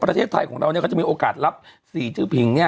ประเทศไทยของเราเนี่ยก็จะมีโอกาสรับสีจื้อผิงเนี่ย